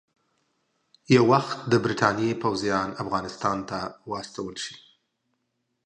یو وخت د برټانیې پوځیان افغانستان ته واستول شي.